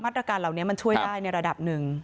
ตรการเหล่านี้มันช่วยได้ในระดับหนึ่ง